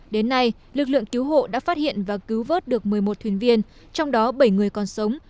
đến nay lực lượng cứu hộ đã phát hiện và cứu vớt được một mươi một thuyền viên trong đó bảy người còn sống